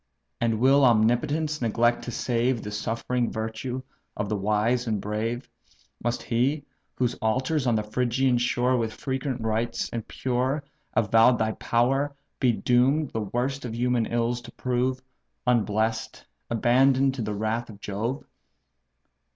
And will Omnipotence neglect to save The suffering virtue of the wise and brave? Must he, whose altars on the Phrygian shore With frequent rites, and pure, avow'd thy power, Be doom'd the worst of human ills to prove, Unbless'd, abandon'd to the wrath of Jove?"